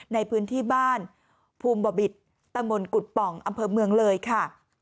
ในพื้นที่บ้านภูมิบิตตะมนต์กุฎป่องอำเภอเมืองเลยค่ะ